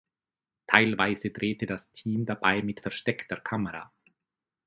Teilweise drehte das Team dabei mit versteckter Kamera.